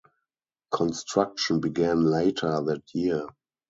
Construction began later that year.